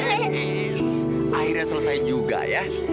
akhirnya selesai juga ya